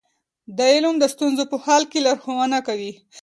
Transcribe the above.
دا علم د ستونزو په حل کې لارښوونه کوي.